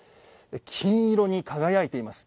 金色に輝いています。